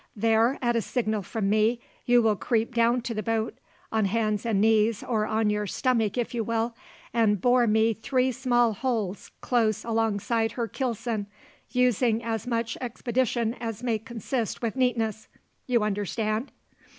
There, at a signal from me, you will creep down to the boat on hands and knees, or on your stomach if you will and bore me three small holes close alongside her keelson, using as much expedition as may consist with neatness. You understand?